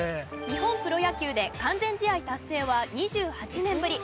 日本プロ野球で完全試合達成は２８年ぶり。